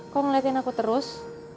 kok ngeliatin aku terus